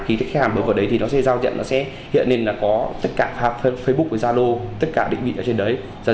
khi khách hàng bước vào đấy nó sẽ hiện nên có tất cả phần mềm ở trên đó có dạng giao dịch trên facebook gialo